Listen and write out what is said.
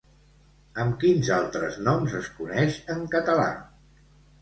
Amb quin altres noms es coneix en català?